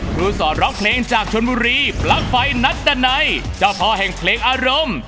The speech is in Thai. ครูสอนร้องเพลงจากชนบุรีปลั๊กไฟนัดดันัยเจ้าพ่อแห่งเพลงอารมณ์